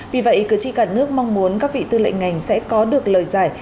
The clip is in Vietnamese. vì vậy cử tri cả nước mong muốn các vị tư lệnh ngành sẽ có được lời giải